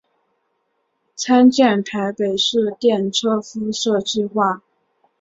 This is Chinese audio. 参见台北市电车敷设计画。